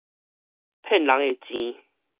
騙人的錢